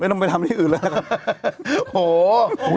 ไม่ต้องไปทำที่อื่นแล้วค่ะ